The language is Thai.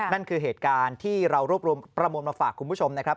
นั่นคือเหตุการณ์ที่เรารวบรวมประมวลมาฝากคุณผู้ชมนะครับ